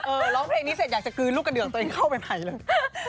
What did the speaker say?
ร้องเพลงนี้เสร็จอยากจะกลืนลูกกระเดือกตัวเองเข้าไปใหม่เลย